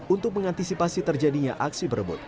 untuk mengantisipasi terjadinya aksi berebut